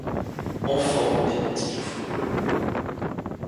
Enfant, il pratique le football.